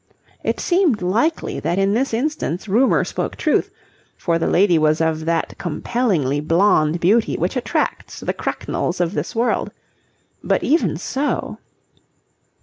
It seemed likely that in this instance rumour spoke truth, for the lady was of that compellingly blonde beauty which attracts the Cracknells of this world. But even so...